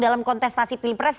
dalam kontestasi pilpres